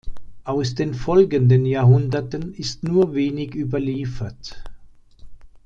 Aus den folgenden Jahrhunderten ist nur wenig überliefert.